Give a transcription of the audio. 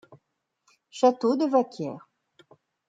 Château de Vacquières.